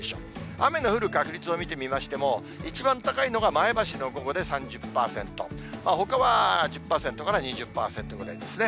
雨の降る確率を見てみましても、一番高いのが前橋の午後で３０％、ほかは１０％から２０％ぐらいですね。